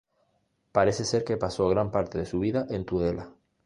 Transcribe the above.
Parece ser que pasó gran parte de su vida en Tudela.